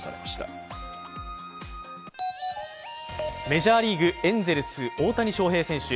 メジャーリーグ、エンゼルス・大谷翔平選手。